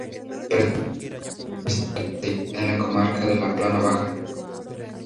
Perteneciente a la provincia de Castellón, en la comarca de la Plana Baja.